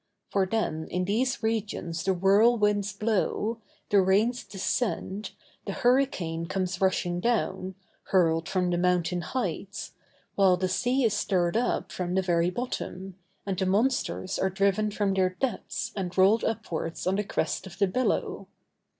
For then in these regions the whirlwinds blow, the rains descend, the hurricane comes rushing down, hurled from the mountain heights, while the sea is stirred up from the very bottom, and the monsters are driven from their depths and rolled upwards on the crest of the billow.